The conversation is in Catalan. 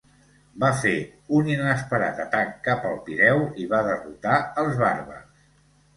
Va fer un inesperat atac cap al Pireu i va derrotar els bàrbars.